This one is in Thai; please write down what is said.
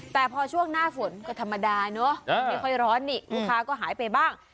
แต่พอช่วงหน้าฝนก็ธรรมดาเนอะไม่ค่อยร้อนนี่ลูกค้าก็หายไปบ้าง